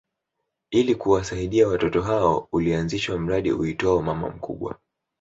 Ili kuwasaidia watoto hao ulianzishwa mradi uitwao Mama Mkubwa